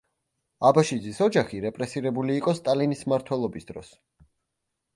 აბაშიძის ოჯახი რეპრესირებული იყო სტალინის მმართველობის დროს.